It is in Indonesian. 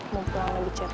mau pulang lebih cepet